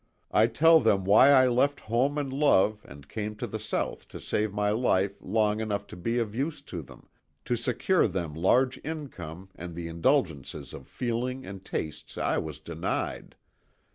I tell them why I left home and love and came to the South to save my life long enough to be of use to them to secure them large income and the indulgences of feeling and tastes I was denied.